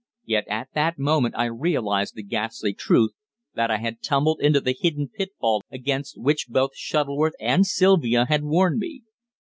Yet at that moment I realized the ghastly truth, that I had tumbled into the hidden pitfall against which both Shuttleworth and Sylvia had warned me.